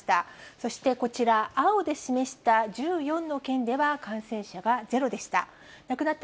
そしてこちら、青で示した１４の県では感染者がゼロでした。